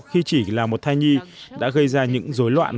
khi chỉ là một thai nhi đã gây ra những dối loạn